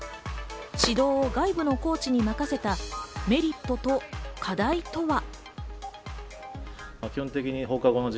指導を外部のコーチに任せたメリットと課題とは。